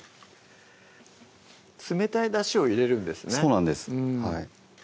冷たいだしを入れるんですねそうなんです